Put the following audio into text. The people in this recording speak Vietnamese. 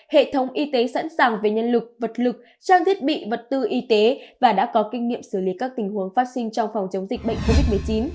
hệ thống y tế sẵn sàng về nhân lực vật lực trang thiết bị vật tư y tế và đã có kinh nghiệm xử lý các tình huống phát sinh trong phòng chống dịch bệnh covid một mươi chín